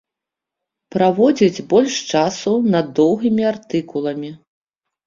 Праводзіць больш часу над доўгімі артыкуламі.